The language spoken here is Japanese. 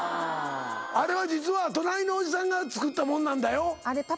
「あれは実は隣のおじさんが作ったもんなんだよ」。